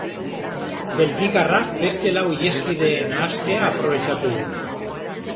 Belgikarrak beste lau iheskideen nahastea aprobetxatu du.